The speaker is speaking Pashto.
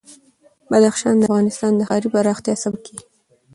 بدخشان د افغانستان د ښاري پراختیا سبب کېږي.